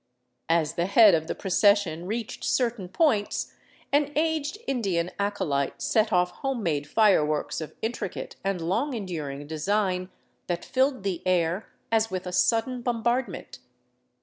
As the head of the procession reached certain points, an aged Indian acolyte set off home made fireworks of intricate and long enduring design, that filled the air as with a sudden bombard ment.